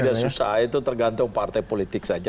tidak susah itu tergantung partai politik saja